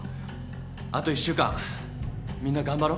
あと１週間みんな頑張ろう。